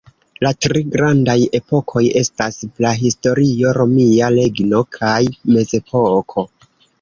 La tri grandaj epokoj estas Prahistorio, Romia Regno kaj Mezepoko.